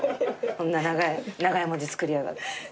こんな長い文字作りやがって。